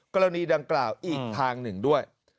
กรณีดังกล่าวอีกทางหนึ่งด้วย